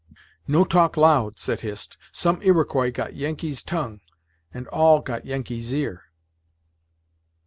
"No talk loud," said Hist. "Some Iroquois got Yengeese tongue, and all got Yengeese ear."